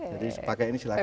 jadi pakai ini silahkan